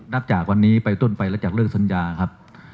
นักจากวันนี้ไปต้นไปและจากเลิกสัญญาครับ